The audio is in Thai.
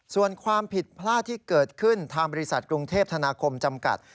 ส่วนความผิดพลาดที่เกิดขึ้นทางบริษัทกรุงเทพธนาคมจำกัด